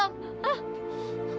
eh kamu ga perlu tau